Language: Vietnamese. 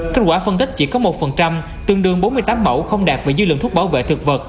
kết quả phân tích chỉ có một tương đương bốn mươi tám mẫu không đạt về dư lượng thuốc bảo vệ thực vật